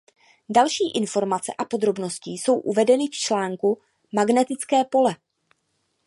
Další informace a podrobnosti jsou uvedeny v článku Magnetické pole.